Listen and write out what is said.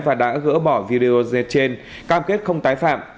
và đã gỡ bỏ video dệt trên cam kết không tái phạm